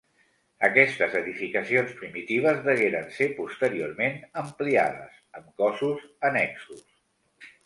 Aquestes edificacions primitives degueren ser posteriorment ampliades, amb cossos annexos.